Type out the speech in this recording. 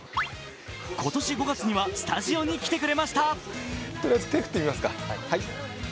今年５月にはスタジオに来てくれました。